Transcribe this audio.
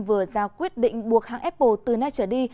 vừa ra quyết định buộc hãng apple từ nay trở đi